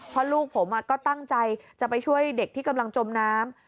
เพราะลูกผมก็ตั้งใจจะไปช่วยเด็กที่กำลังจมน้ำ